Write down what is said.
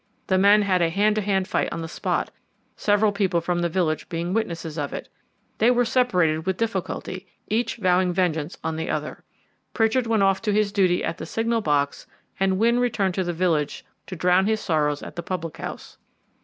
The men had a hand to hand fight on the spot, several people from the village being witnesses of it. They were separated with difficulty, each vowing vengeance on the other. Pritchard went off to his duty at the signal box and Wynne returned to the village to drown his sorrows at the public house.